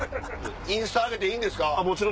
インスタ上げていいんですか？